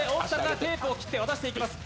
テープを切って渡していきます。